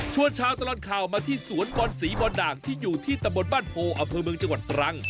ชาวตลอดข่าวมาที่สวนบอลศรีบอลด่างที่อยู่ที่ตำบลบ้านโพอำเภอเมืองจังหวัดตรัง